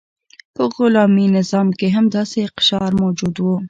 په غلامي نظام کې هم داسې اقشار موجود وو.